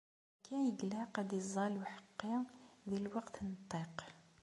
Akka i ilaq ad iẓẓall uḥeqqi, di lweqt n ṭṭiq.